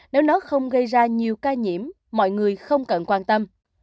nếu nó không gây ra nhiều ca nhiễm mọi người không cần quan tâm